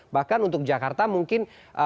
bahkan untuk jakarta mungkin